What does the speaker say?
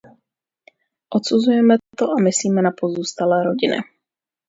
Odsuzujeme to a myslíme na pozůstalé rodiny.